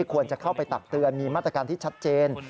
ควรจะเข้าไปตักเตือนมีมาตรการที่ชัดเจน